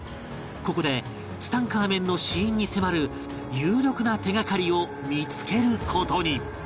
ここでツタンカーメンの死因に迫る有力な手がかりを見付ける事に